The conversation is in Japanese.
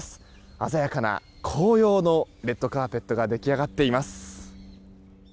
鮮やかな紅葉のレッドカーペットが出来上がっています。